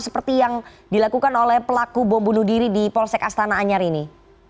seperti yang dilakukan oleh pelaku bom bunuh diri di polsek astana anyar ini